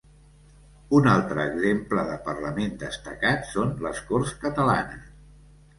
Un altre exemple de parlament destacat són les Corts Catalanes.